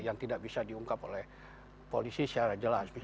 yang tidak bisa diungkap oleh polisi secara jelas